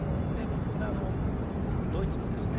ただドイツもですね